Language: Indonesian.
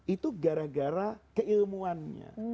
itu gara gara keilmuannya